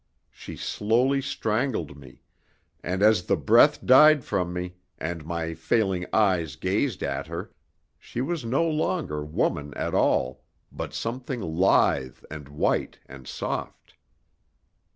She slowly strangled me, and as the breath died from me, and my failing eyes gazed at her, she was no longer woman at all, but something lithe and white and soft.